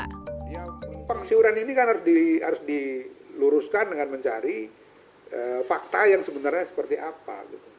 pengsiuran ini harus diluruskan dengan mencari fakta yang sebenarnya seperti apa